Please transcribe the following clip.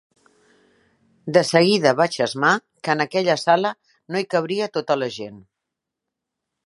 De seguida vaig esmar que en aquella sala no hi cabria tota la gent.